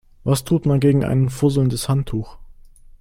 Was tut man gegen ein fusselndes Handtuch?